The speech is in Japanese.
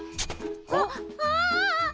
あっああっ！